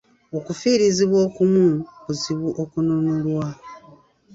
Okufiirizibwa okumu kuzibu okununulwa.